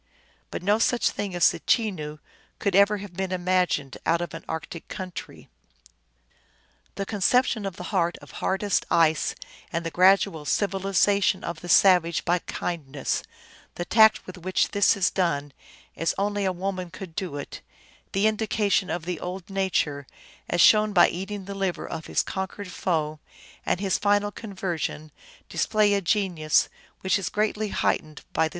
But no such being as a Chenoo could ever have been imagined out of an arctic country. The conception of the heart of hardest ice and the gradual civilization of the savage by kindness ; the tact with which this is done, as only a woman could do it ; the indication of the old nature, as shown by eating the liver of his conquered THE CHENOO LEGENDS.